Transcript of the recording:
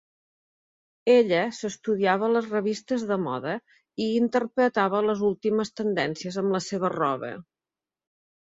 Ella s'estudiava les revistes de moda i interpretava les últimes tendències amb la seva roba.